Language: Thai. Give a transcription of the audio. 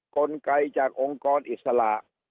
กลไกจากองค์กรอิสระ